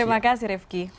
terima kasih rifki